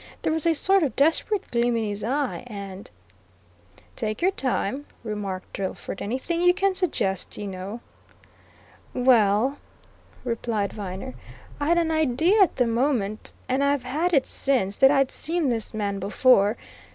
There was a sort of desperate gleam in his eye. And " "Take your time," remarked Drillford. "Anything you can suggest, you know " "Well," replied Viner. "I'd an idea at the moment, and I've had it since, that I'd seen this man before.